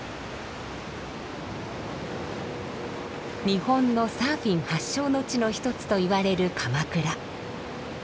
日本のサーフィン発祥の地の一つといわれる鎌倉。